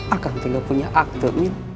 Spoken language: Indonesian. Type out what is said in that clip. akang juga punya akte